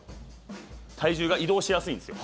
体重が移動しやすいんですよ。